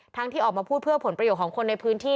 ที่ออกมาพูดเพื่อผลประโยชน์ของคนในพื้นที่